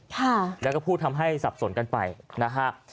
ค่ะแล้วก็พูดทำให้สับสนกันไปนะฮะ